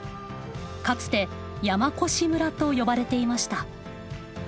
かつて山古志村と呼ばれていました。